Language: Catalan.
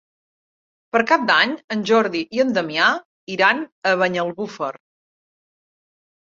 Per Cap d'Any en Jordi i en Damià iran a Banyalbufar.